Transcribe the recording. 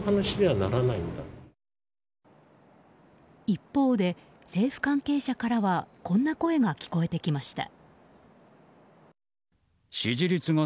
一方で、政府関係者からはこんな声が聞こえてきました。